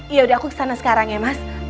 yaudah aku kesana sekarang ya mas